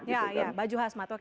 ya baju hasmat